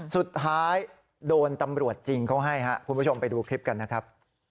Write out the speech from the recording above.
สุดท้ายโดนตำรวจจริงเขาให้ครับคุณผู้ชมไปดูคลิปกันนะครับ